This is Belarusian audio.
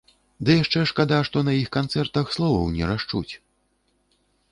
Ды яшчэ шкада, што на іх канцэртах словаў не расчуць.